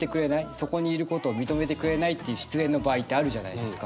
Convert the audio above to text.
そこにいることを認めてくれないっていう失恋の場合ってあるじゃないですか。